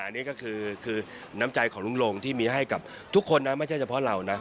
นี่ก็คือน้ำใจของลุงลงที่มีให้กับทุกคนนะไม่ใช่เฉพาะเรานะ